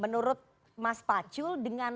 menurut mas pacul dengan